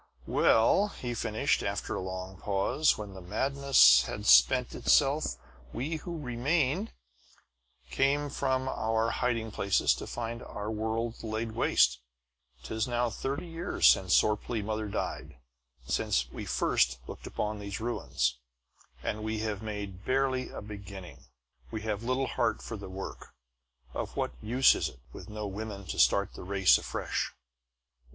"Well," he finished, after a long pause, "when the madness had spent itself, we who remained came from our hiding places to find our world laid waste. 'Tis now thirty years since Sorplee's mother died, since we first looked upon these ruins, and we have made barely a beginning. We have little heart for the work. Of what use is it, with no women to start the race afresh?"